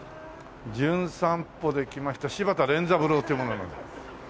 『じゅん散歩』で来ました柴田錬三郎という者なんですけど。